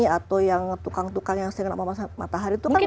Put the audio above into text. atau yang tukang tukang yang sering nampak matahari itu kan memang